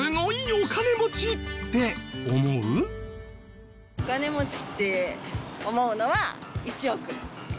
お金持ちって思うのは。